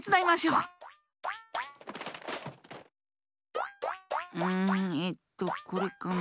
うんえっとこれかな？